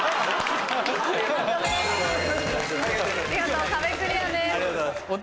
見事壁クリアです。